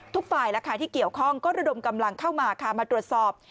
ทุกฝ่ายที่เกี่ยวข้องก็ระดมกำลังเข้ามาค่ะมาตรวจสอบ